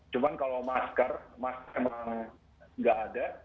cuma kalau masker masker memang nggak ada